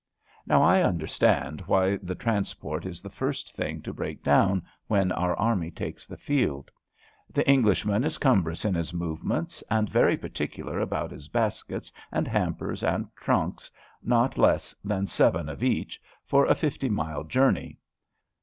Now I understand why the trans port is the first thing to break down when our army takes the field. The Englishman is cnm brons in his movements and very particular about his baskets and hampers and trunks — ^not less than seven of each — for a fifty mile journey.